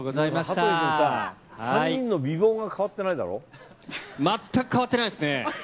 羽鳥君さ、３人の美貌が変わ全く変わってないですね。